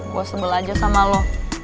gue sebel aja sama lo